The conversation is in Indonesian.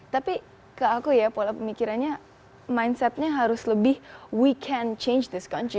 tapi ke aku ya pola pemikirannya mindsetnya harus lebih we can change this country